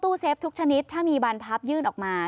เฟฟทุกชนิดถ้ามีบานพับยื่นออกมา